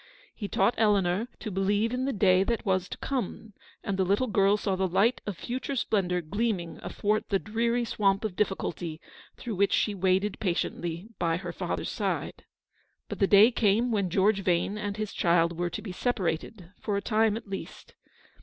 He taught Eleanor to believe in the day that was to come, and the little girl saw the light of future splendour gleam ing athwart the dreary swamp of difficulty through which she waded patiently by her father's side. But the day came when George Yane and his child were to be separated, for a time at least.